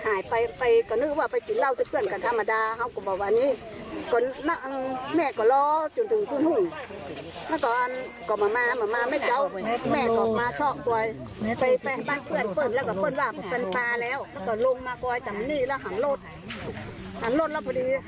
หายไปไปก็นึกว่าไปกินเล่าต้วยเพื่อนกันธรรมดาเขาดูแบบว่าอันนี้